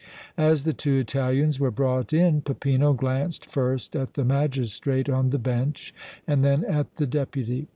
As the two Italians were brought in Peppino glanced first at the magistrate on the bench and then at the Deputy.